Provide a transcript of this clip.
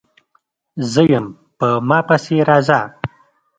_زه يم، په ما پسې راځه!